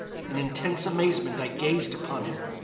In intense amazement I gazed upon him.